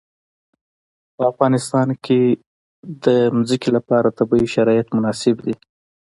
په افغانستان کې د ځمکه لپاره طبیعي شرایط مناسب دي.